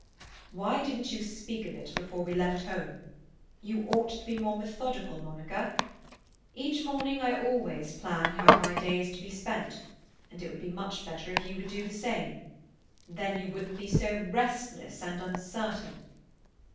"Why didn't you speak of it before we left home? You ought to be more methodical, Monica. Each morning I always plan how my day is to be spent, and it would be much better if you would do the same. Then you wouldn't be so restless and uncertain."